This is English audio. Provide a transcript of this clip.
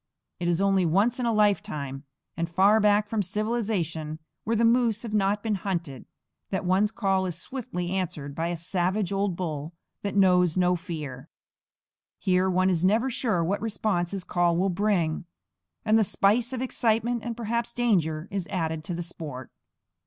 It is only once in a lifetime, and far back from civilization, where the moose have not been hunted, that one's call is swiftly answered by a savage old bull that knows no fear. Here one is never sure what response his call will bring; and the spice of excitement, and perhaps danger, is added to the sport.